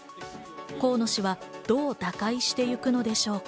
河野氏はどう打開していくのでしょうか？